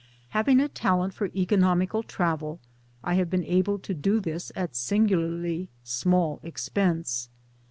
Having, a talent for economical travel I have been able to do this at singularly small expense.